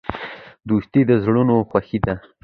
دوستي د زړونو خوښي ده.